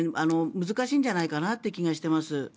難しいんじゃないかなという気がしています。